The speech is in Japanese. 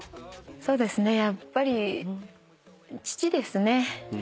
そうですねやっぱり父ですね。